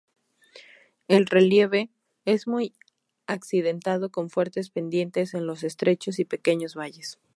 El relieve es muy accidentado con fuertes pendientes en los estrechos y pequeños valles.